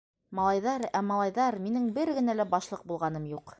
- Малайҙар, ә, малайҙар, минең бер генә лә башлыҡ булғаным юҡ.